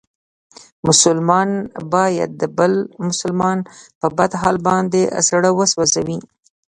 مسلمان باید د بل مسلمان په بد حال باندې زړه و سوځوي.